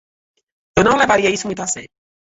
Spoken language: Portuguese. Eu não levaria isso muito a sério.